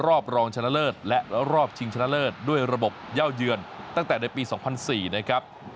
รอบรองชนะเลิศและรอบชิงชนะเลิศด้วยระบบเย่าเยือนตั้งแต่ในปี๒๐๐๔นะครับ